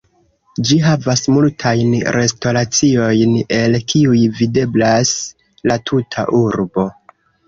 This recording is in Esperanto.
Ĝi havas multajn restoraciojn, el kiuj videblas la tuta urbo.